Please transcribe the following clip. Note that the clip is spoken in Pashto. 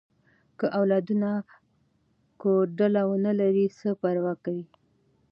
که اولادونه کوډله ونه لري، څه پروا کوي؟